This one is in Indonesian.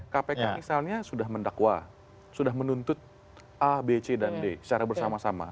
kpk misalnya sudah mendakwa sudah menuntut a b c dan d secara bersama sama